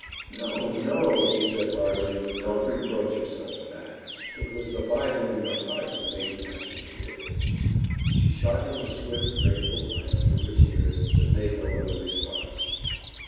"No, no," he said heartily, "don't reproach yourself for that. It was the Bible in your heart that made you act as you did." She shot him a swift, grateful glance through her tears, but made no other response.